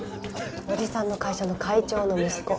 おじさんの会社の会長の息子。